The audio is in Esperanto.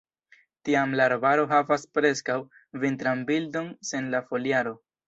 Tiam la arbaro havas preskaŭ vintran bildon sen la foliaro.